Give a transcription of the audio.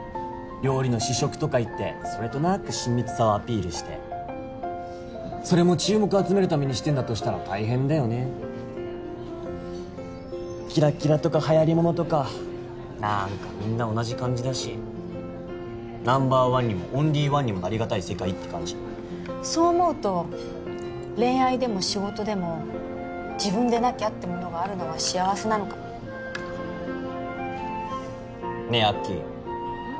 料理の試食とかいってそれとなく親密さをアピールしてそれも注目を集めるためにしてんだとしたら大変だよねキラキラとかはやりものとかなんかみんな同じ感じだしナンバーワンにもオンリーワンにもなりがたい世界って感じそう思うと恋愛でも仕事でも自分でなきゃってものがあるのは幸せなのかもねえアッキーうん？